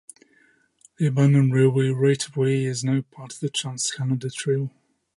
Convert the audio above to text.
The abandoned railway right of way is now part of the Trans Canada Trail.